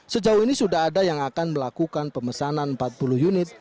sejauh ini sudah ada yang akan melakukan pemesanan empat puluh unit